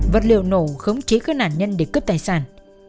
vật liệu nổ khống chế các nạn nhân để cướp tài sản